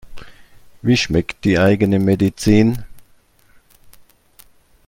Wie schmeckt die eigene Medizin?